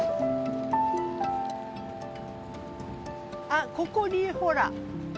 あっここにほら。